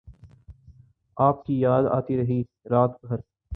آپ کی یاد آتی رہی رات بھر